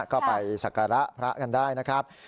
ก็ไปสักการะพระกันได้นะครับ